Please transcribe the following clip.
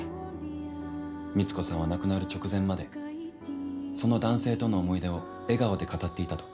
光子さんは亡くなる直前までその男性との思い出を笑顔で語っていたと。